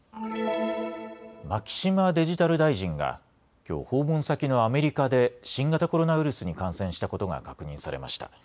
牧島デジタル大臣がきょう、訪問先のアメリカで新型コロナウイルスに感染したことが確認されました。